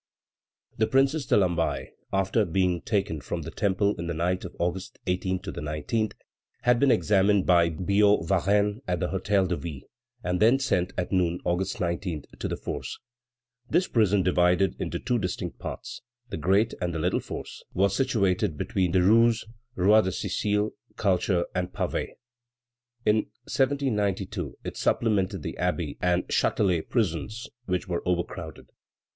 The Princess de Lamballe, after being taken from the Temple in the night of August 18 19, had been examined by Billaud Varennes at the Hôtel de Ville, and then sent, at noon, August 19, to the Force. This prison, divided into two distinct parts, the great and the little Force, was situated between the rues Roi de Sicile, Culture, and Pavée. In 1792 it supplemented the Abbey and Châtelet prisons, which were overcrowded.